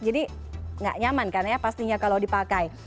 jadi nggak nyaman kan ya pastinya kalau dipakai